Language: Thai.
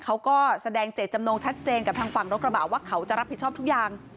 เขาก็แสดงเจตจำนงชัดเจนกับทางฝั่งรถกระบะว่าเขาจะรับผิดชอบทุกอย่าง